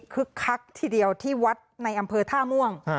คักทีเดียวที่วัดในอำเภอท่าม่วง